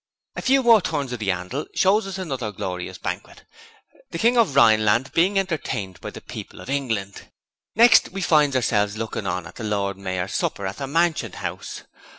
A few more turns of the 'andle shows us another glorious banquet the King of Rhineland being entertained by the people of England. Next we finds ourselves looking on at the Lord Mayor's supper at the Mansion House.